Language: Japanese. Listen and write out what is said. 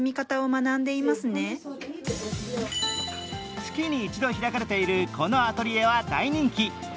月に一度開かれているこのアトリエは大人気。